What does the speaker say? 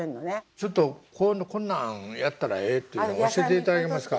ちょっとこんなんやったらええっていうのを教えていただけますか。